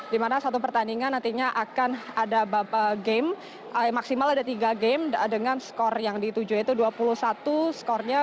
di mana satu pertandingan nantinya akan ada game maksimal ada tiga game dengan skor yang dituju yaitu dua puluh satu skornya